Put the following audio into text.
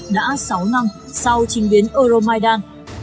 đã sáu năm sau trình biến euromaidan